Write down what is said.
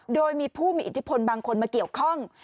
โดยมีผู้มีอิทธิพลบางคนมาเกี่ยวข้อง